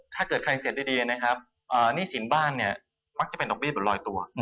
ถ้าเกิดแคลงเกียรติดีนะครับหนี้สินบ้านมักจะเป็นตรกเบี้ยเป็นรอยตัว